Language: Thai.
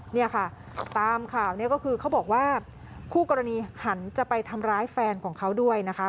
เนี่ยค่ะตามข่าวเนี่ยก็คือเขาบอกว่าคู่กรณีหันจะไปทำร้ายแฟนของเขาด้วยนะคะ